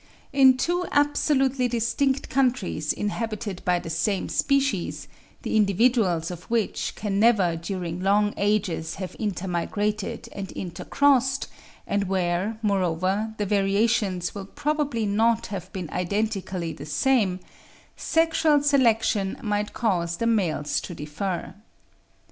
In two absolutely distinct countries inhabited by the same species, the individuals of which can never during long ages have intermigrated and intercrossed, and where, moreover, the variations will probably not have been identically the same, sexual selection might cause the males to differ.